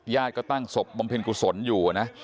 ก็ตั้งศพบำเพ็ญกุศลอยู่นะ